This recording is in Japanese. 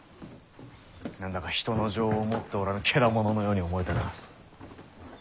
何だか人の情を持っておらぬケダモノのように思えてな。